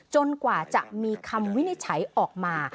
กว่าจะมีคำวินิจฉัยออกมา